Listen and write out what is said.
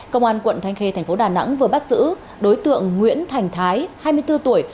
công an quận thanh khê thành phố đà nẵng vừa bắt giữ đối tượng nguyễn thành thái hai mươi bốn tuổi